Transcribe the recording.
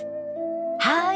はい。